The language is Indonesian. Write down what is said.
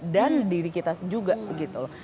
dan diri kita juga gitu loh